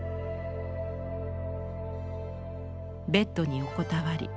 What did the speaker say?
ベッドに横たわり